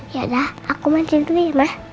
ya udah aku mandi dulu ya ma